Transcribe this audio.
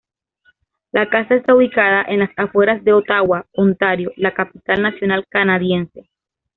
La casa está ubicada en las afueras de Ottawa, Ontario, la capital nacional canadiense.